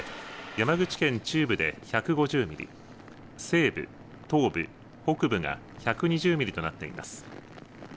山口県中部で１５０ミリ、西部、東部、北部が１２０ミリとなっています。